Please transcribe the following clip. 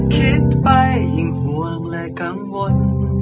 คิดไปยิ่งห่วงและกังวล